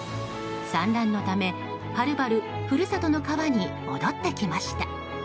産卵のため、はるばる故郷の川に戻ってきました。